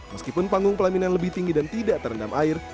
meskipun panggung pelaminan lebih tinggi dan tidak terendam air